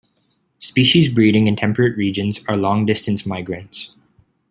Species breeding in temperate regions are long-distance migrants.